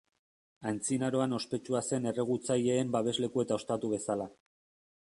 Antzinaroan ospetsua zen erregutzaileen babesleku eta ostatu bezala.